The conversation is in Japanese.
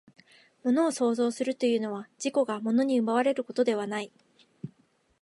物を創造するというのは、自己が物に奪われることではない。